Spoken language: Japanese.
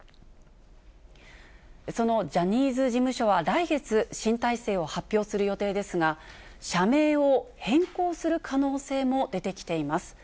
そのジャニーズ事務所は来月、新体制を発表する予定ですが、社名を変更する可能性も出てきています。